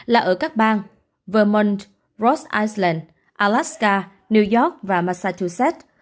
là ở các bang vermont rhode island alaska new york và massachusetts